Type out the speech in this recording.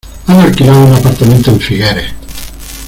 Han alquilado un apartamento en Figueres.